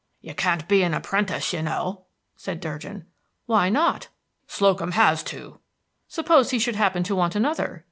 "You can't be an apprentice, you know," said Durgin. "Why not?" "Slocum has two." "Suppose he should happen to want another?